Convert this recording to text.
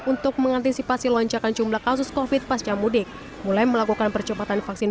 untuk mengantisipasi lonjakan jumlah kasus covid pasca mudik mulai melakukan percepatan vaksin